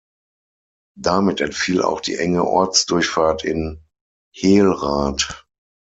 Damit entfiel auch die enge Ortsdurchfahrt in Hehlrath.